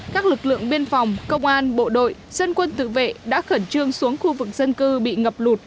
các lực lượng biên phòng công an bộ đội dân quân tự vệ đã khẩn trương xuống khu vực dân cư bị ngập lụt